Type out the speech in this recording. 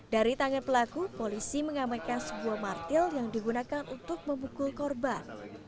dari tangan pelaku polisi mengamaikan sebuah martil yang digunakan untuk memukul korban